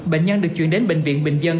bệnh nhân được chuyển đến bệnh viện bình dân